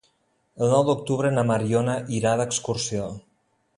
El nou d'octubre na Mariona irà d'excursió.